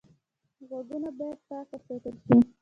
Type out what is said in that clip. غوږونه باید پاک وساتل شي